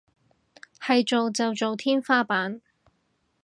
係做就做天花板